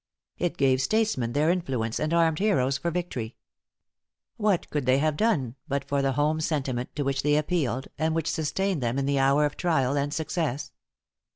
It gave statesmen their influence, and armed heroes for victory. What could they have done but for the home sentiment to which they appealed, and which sustained them in the hour of trial and success?